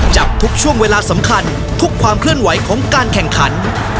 จับทุกช่วงเวลาสำคัญทุกความเคลื่อนไหวของการแข่งขัน